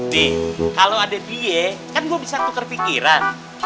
nih kalau ada die kan gue bisa tukar pikiran